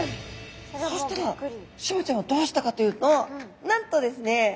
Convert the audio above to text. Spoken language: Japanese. そしたらシマちゃんはどうしたかというとなんとですね